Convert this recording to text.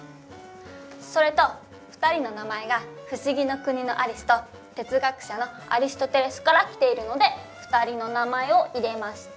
それと２人の名前が「不思議の国のアリス」と哲学者のアリストテレスから来ているので２人の名前を入れました。